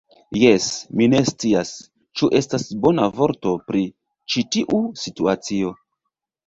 Jes, mi ne scias, ĉu estas bona vorto pri ĉi tiu situacio.